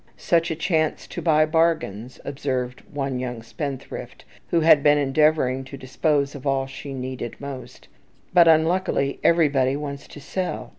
"Such a chance to buy bargains," observed one young spendthrift, who had been endeavouring to dispose of all she needed most; "but unluckily everybody wants to sell.